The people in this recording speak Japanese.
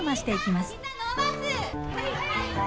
はい！